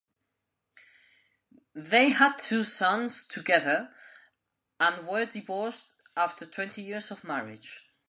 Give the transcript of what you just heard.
They had two sons together and were divorced after twenty years of marriage.